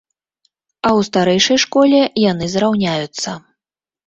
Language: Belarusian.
А ў старэйшай школе яны зраўняюцца.